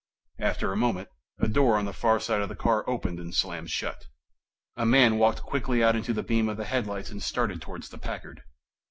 After a moment, a door on the far side of the car opened and slammed shut. A man walked quickly out into the beam of the headlights and started towards the Packard.